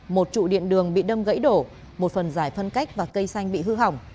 một trụ điện đường bị đâm gãy đổ một phần giải phân cách và cây xanh bị hư hỏng